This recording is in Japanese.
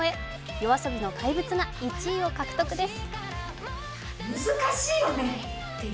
ＹＯＡＳＯＢＩの「怪物」が１位を獲得です。